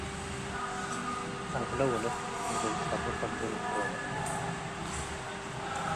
አብለ ወለት ምስል ጸሩ ፈግር እቶም ።